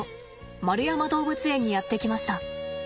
円山動物園にやって来ました。